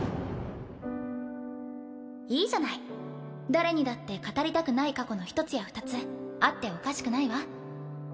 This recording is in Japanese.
誰にだって語りたくない過去の１つや２つあっておかしくないわ